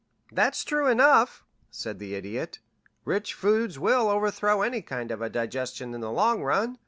"That's true enough," said the Idiot. "Rich foods will overthrow any kind of a digestion in the long run.